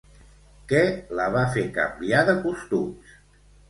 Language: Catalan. Què la va fer canviar de costums?